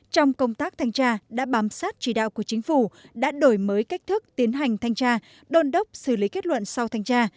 trong công tác thanh tra đã bám sát chỉ đạo của chính phủ đã đổi mới cách thức tiến hành thanh tra đôn đốc xử lý kết luận sau thanh tra